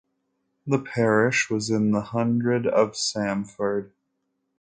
The parish was in the hundred of Samford.